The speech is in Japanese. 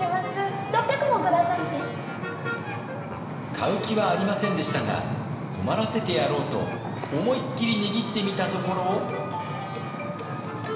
買う気はありませんでしたが困らせてやろうと思いっきり値切ってみたところ。